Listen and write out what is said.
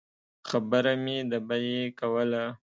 خبره مې د بیې کوله.